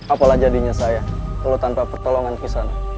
apalah jadinya saya kalau tanpa pertolongan kisah anak